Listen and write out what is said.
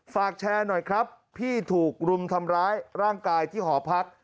ฝากแชร์หน่อยครับพี่ถูกรุมทำร้ายร่างกายที่หอพัก